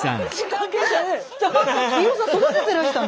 飯尾さん育ててらしたの？